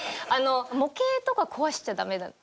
模型とか壊しちゃダメだし。